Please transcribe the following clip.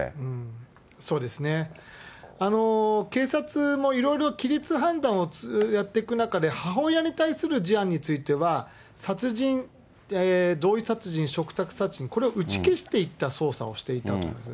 そうですね、警察もいろいろ擬律判断をやっていく中で、母親に対する事案については、殺人、同意殺人、嘱託殺人、これを打ち消していった捜査をしていたはずです。